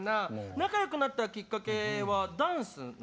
仲よくなったきっかけはダンスなんだよね？